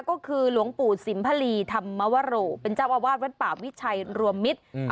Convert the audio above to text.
ก็คือหลวงปู่สิมพลีธรรมวโรเป็นเจ้าอาวาสวัดป่าวิชัยรวมมิตร